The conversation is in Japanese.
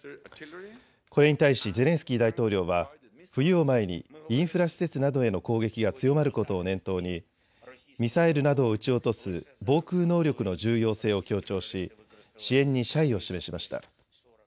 これに対しゼレンスキー大統領は冬を前にインフラ施設などへの攻撃が強まることを念頭にミサイルなどを撃ち落とす防空能力の重要性を強調し支援に謝意を示しました。